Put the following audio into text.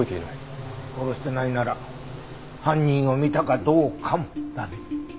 殺してないなら犯人を見たかどうかもだね。